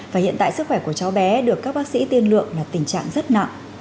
và hiện tại sức khỏe của cháu bé được các bác sĩ tiên lượng là tình trạng rất nặng